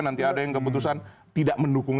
nanti ada yang keputusan tidak mendukung